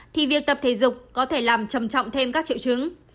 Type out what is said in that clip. thì việc tập thể dục có thể làm trầm trọng thêm các triệu chứng